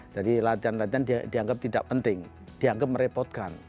jadi latihan latihan dianggap tidak penting dianggap merepotkan